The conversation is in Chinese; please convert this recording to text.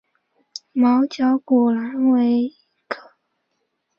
毛绞股蓝为葫芦科绞股蓝属下的一个种。